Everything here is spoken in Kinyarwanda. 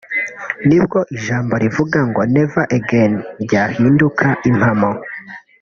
nibwo ijambo rivuga ngo ‘Never Again’ ryahinduka impamo